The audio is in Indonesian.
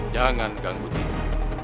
jangan ganggu diri